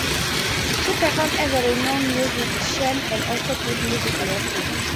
She performs as a renowned musician and also gives music lessons.